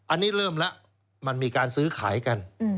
อันนี้เริ่มแล้วมันมีการซื้อขายกัน